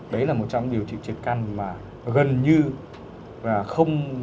đấy là một trong điều trị triệt căn mà gần như là không